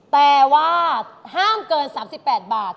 แต่ว่าห้ามเกิน๓๘บาท